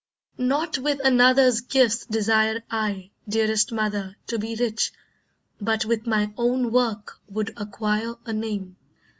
Not with another's gifts Desire I, dearest mother, to be rich, But with my own work would acquire a name.